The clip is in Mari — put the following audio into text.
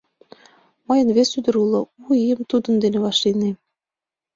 — Мыйын вес ӱдыр уло, У ийым тудын дене вашлийнем.